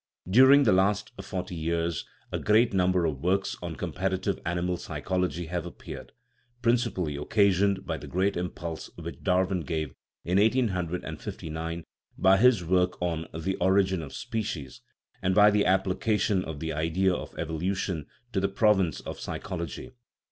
During the last forty years a great number of works on comparative animal psychology have appeared, principally occasioned by the great impulse which Darwin gave in 1859 by his work on The Origin of Species, and by the application of the idea of evolution to the province of psychology.